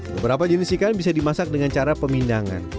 beberapa jenis ikan bisa dimasak dengan cara pemindangan